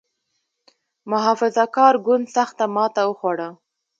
محافظه کار ګوند سخته ماته وخوړه.